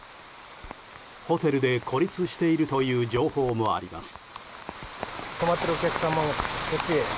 ホテルで孤立しているという情報もあります。